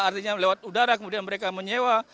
artinya lewat udara kemudian mereka menyewa